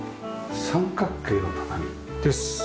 三角形の畳。です。